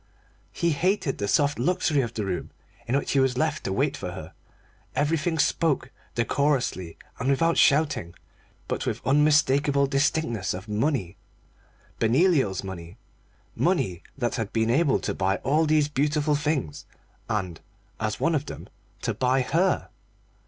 He hated the soft luxury of the room in which he was left to wait for her. Everything spoke, decorously and without shouting, but with unmistakable distinctness, of money, Benoliel's money: money that had been able to buy all these beautiful things, and, as one of them, to buy her.